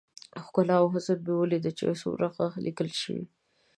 ښکلا او حسن مې وليد چې څومره ښه ليکل شوي.